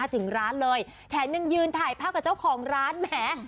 ถึงร้านเลยแถมยังยืนถ่ายภาพกับเจ้าของร้านแหม